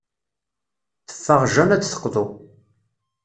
Teffeɣ Jane ad d-teqḍu.